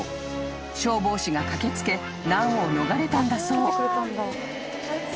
［消防士が駆け付け難を逃れたんだそう］